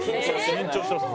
緊張してます